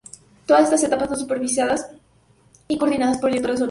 Todas estas etapas son supervisadas y coordinadas por el director de sonido.